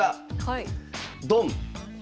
ドン。